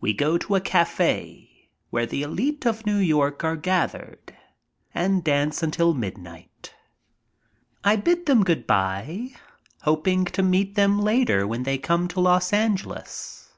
We go to a cafe, where the elite of New York are gathered, and dance until midnight. I bid them good by, hoping to meet them later when they come to Los Angeles.